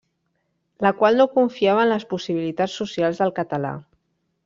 La qual no confiava en les possibilitats socials del català.